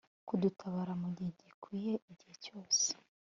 kudutabara mu gihe gikwiriye”igihe cyose